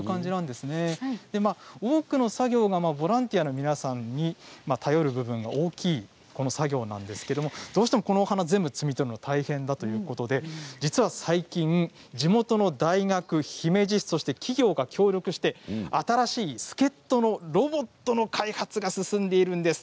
多くの作業がボランティアの皆さんに頼る部分が大きい作業なんですがこの花を全部摘み取るのは大変だということで最近、地元の大学、姫路市の企業が協力して新しい助っとのロボットの開発が進んでいます。